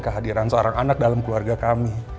kehadiran seorang anak dalam keluarga kami